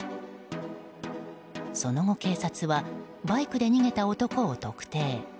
その後、警察はバイクで逃げた男を特定。